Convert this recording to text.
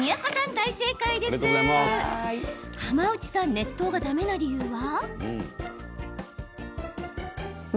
浜内さん、熱湯がだめな理由は？